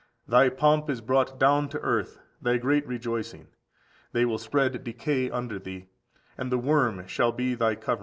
Thy pomp is brought down to earth, thy great rejoicing: they will spread decay under thee; and the worm shall be thy covering.